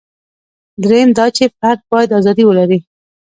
درېیم دا چې فرد باید ازادي ولري.